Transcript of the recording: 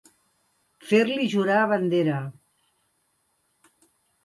Fer-li jurar bandera.